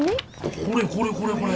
これこれこれこれ。